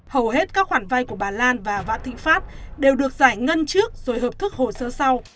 hầu hết các khoản vay của bà lan và vạn thịnh pháp đều được giải ngân trước rồi hợp thức hồ sơ sau